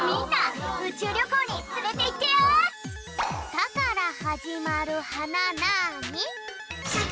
「さ」からはじまるはななに？